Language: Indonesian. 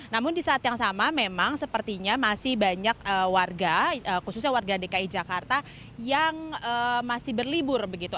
namun di saat yang sama memang sepertinya masih banyak warga khususnya warga dki jakarta yang masih berlibur begitu